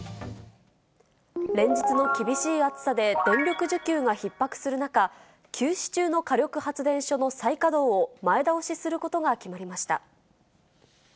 連日の厳しい暑さで、電力需給がひっ迫する中、休止中の火力発電所の再稼働を前倒しすることが決まりました。